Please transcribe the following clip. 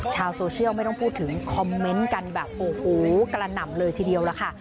ชาวโซเชียลไม่ต้องพูดถึงคอมเมนต์กันแบบโอ้โหกระหน่ำเลยทีเดียวล่ะค่ะ